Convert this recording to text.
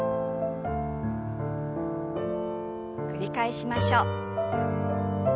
繰り返しましょう。